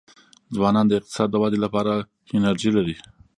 ځوانان د اقتصاد د ودي لپاره انرژي لري.